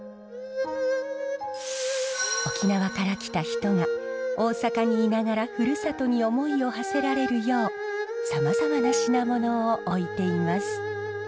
沖縄から来た人が大阪に居ながらふるさとに思いをはせられるようさまざまな品物を置いています。